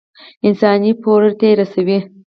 انساني پوړۍ ته يې رسوي.